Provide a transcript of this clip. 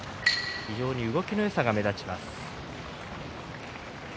非常に動きのよさが目立ちます。